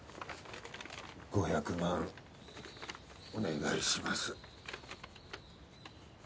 ５００万お願いします。